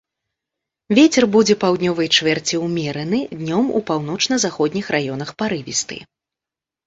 Вецер будзе паўднёвай чвэрці ўмераны, днём у паўночна-заходніх раёнах парывісты.